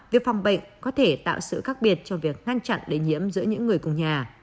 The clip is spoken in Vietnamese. việc phòng bệnh có thể tạo sự khác biệt cho việc ngăn chặn lây nhiễm giữa những người cùng nhà